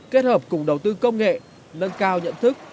kết hợp cùng đầu tư công nghệ nâng cao nhận thức